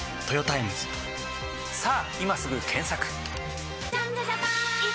さぁ今すぐ検索！